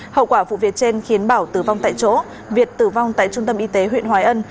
hậu quả vụ việc trên khiến bảo tử vong tại chỗ việt tử vong tại trung tâm y tế huyện hoài ân